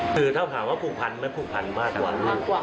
คือถ้าถามว่าผูกพันไม่ผูกพันมากกว่าลูก